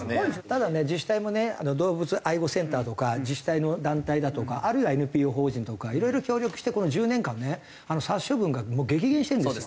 ただね自治体もね動物愛護センターとか自治体の団体だとかあるいはＮＰＯ法人とか色々協力してこの１０年間ね殺処分が激減してるんですよ。